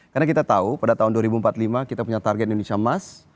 karena kita tahu pada tahun dua ribu empat puluh lima kita punya target indonesia emas